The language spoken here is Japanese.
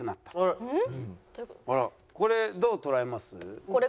これどう捉えます？